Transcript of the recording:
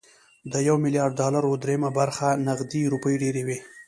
د يو ميليارد ډالرو درېيمه برخه نغدې روپۍ ډېرې وي